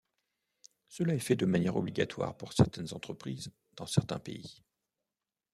Cela est fait de manière obligatoire pour certaines entreprises, dans certains pays.